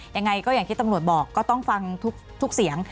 ยังไงก็อย่างที่ตำรวจบอกก็ต้องฟังทุกเสียง